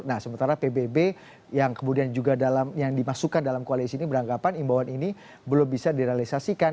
nah sementara pbb yang kemudian juga yang dimasukkan dalam koalisi ini beranggapan imbauan ini belum bisa direalisasikan